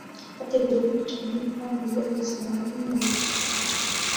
bategura ubwicanyi bwambuye ubuzima bamwe mu Banyarwanda